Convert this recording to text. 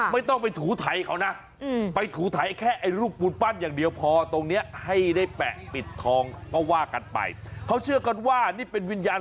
ไม่ต้องไปถูไถเขานะไปถูไถแค่ไอ้ลูกปูนปั้นอย่างเดียวพอ